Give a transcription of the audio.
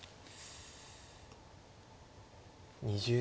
２０秒。